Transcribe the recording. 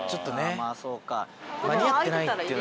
ああまあそうか。